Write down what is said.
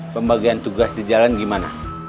pembagian tugas di jalan gimana